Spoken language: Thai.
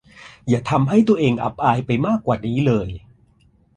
อย่าทำให้ตัวเองอับอายไปมากกว่านี้เลย